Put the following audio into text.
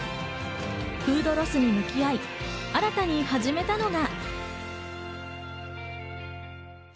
フードロスに向き合い、新たに始めたのが。